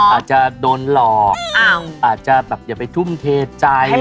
อาจจะโดนหลอกอย่าไปทุ่มเทใจ